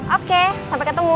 oke sampai ketemu